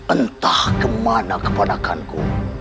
entah kemana kepadakanku